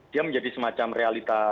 dia menjadi semacam realita